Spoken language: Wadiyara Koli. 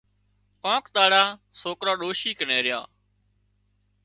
ڪانڪ ۮاڙا سوڪران ڏوشِي ڪنين ريا